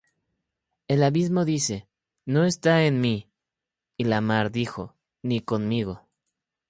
El abismo dice: No está en mí: Y la mar dijo: Ni conmigo.